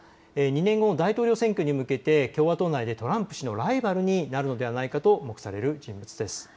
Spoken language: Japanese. ２年後の大統領選挙に向けて共和党内でトランプ氏のライバルになるのではないかと目される人物です。